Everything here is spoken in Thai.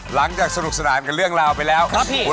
หลังจากสนุกสนานกับเรื่องราวไปแล้ว